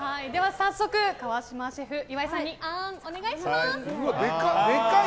早速、川島シェフ岩井さんにあーんお願いします。